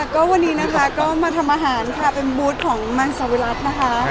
ก็วันนี้นะคะก็มาทำอาหารค่ะเป็นบูธของนางสาววิรัตินะคะ